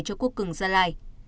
cho quốc cường gia lai